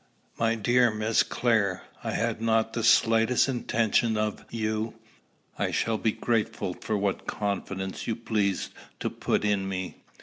"My dear Miss Clare, I had not the slightest intention of catechising you, though, of course, I shall be grateful for what confidence you please to put in me.